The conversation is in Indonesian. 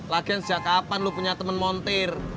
lagian sejak kapan lu punya temen montir